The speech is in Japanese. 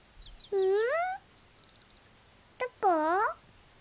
うん？